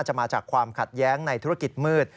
มาจากความขัดแย้งในธุรกิจมืด